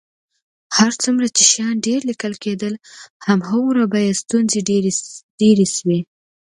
هر څومره چې شیان ډېر لیکل کېدل، همغومره به یې ستونزې ډېرې شوې.